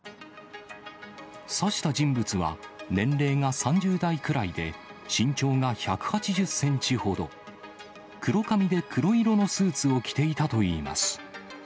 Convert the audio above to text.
刺した人物は、年齢が３０代くらいで、身長が１８０センチほど、黒髪で黒色のスーツを着ていたといいます。